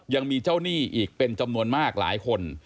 ยังมีเจ้าหนี้อีกเป็นจำนวนมากหลายคน